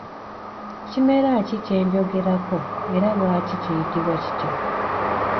Kimera ki ky’enjogerako era lwaki kiyitibwa kityo?